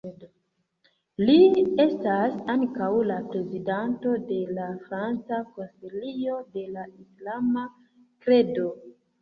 Li estas ankaŭ la prezidanto de la Franca Konsilio de la Islama Kredo.